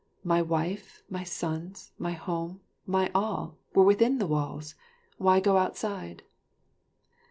My wife, my sons, my home, my all, were within the walls; why go outside?"